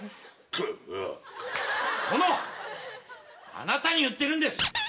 あなたに言ってるんです。